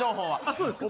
そうですか？